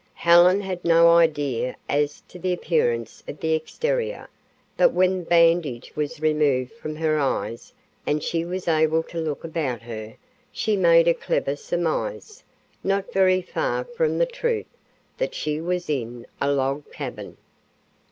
Helen had no idea as to the appearance of the exterior, but when the bandage was removed from her eyes, and she was able to look about her, she made a clever surmise, not very far from the truth, that she was in a log cabin.